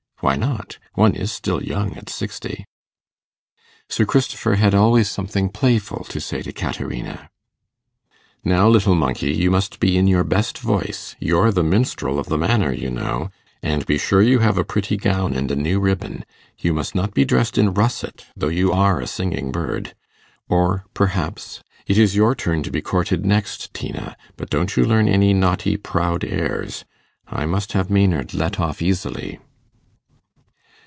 Why not? one is still young at sixty. Sir Christopher had always something playful to say to Caterina. 'Now, little monkey, you must be in your best voice: you're the minstrel of the Manor, you know, and be sure you have a pretty gown and a new ribbon. You must not be dressed in russet, though you are a singing bird.' Or perhaps, 'It is your turn to be courted next, Tina. But don't you learn any naughty proud airs. I must have Maynard let off easily.